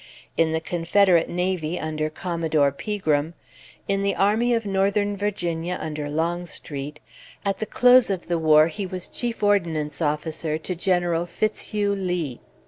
In the Confederate navy under Commodore Pegram, in the Army of Northern Virginia under Longstreet, at the close of the war he was Chief Ordnance officer to General Fitzhugh Lee.